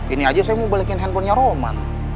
ini aja saya mau beli handphonenya roman